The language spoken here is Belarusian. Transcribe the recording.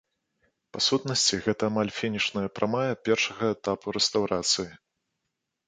Па сутнасці, гэта амаль фінішная прамая першага этапу рэстаўрацыі.